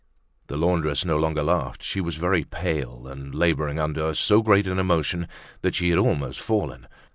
The laundress no longer laughed. She was very pale, and laboring under so great an emotion that she had almost fallen.